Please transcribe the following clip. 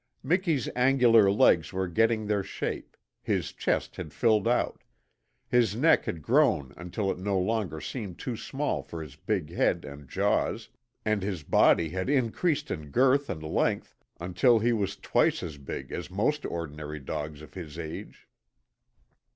Miki's angular legs were getting their shape; his chest had filled out; his neck had grown until it no longer seemed too small for his big head and jaws, and his body had increased in girth and length until he was twice as big as most ordinary dogs of his age.